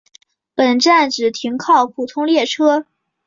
本站只停靠普通列车。